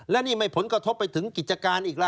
และนี่ไม่ผลกระทบไปถึงกิจการอีกละ